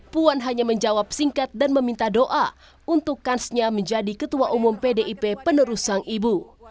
puan hanya menjawab singkat dan meminta doa untuk kansnya menjadi ketua umum pdip penerus sang ibu